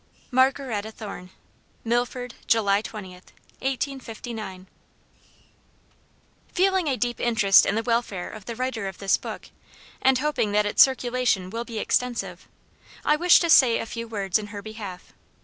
MARGARETTA THORN. MILFORD, JULY 20th, 1859. Feeling a deep interest in the welfare of the writer of this book, and hoping that its circulation will be extensive, I wish to say a few words in her behalf.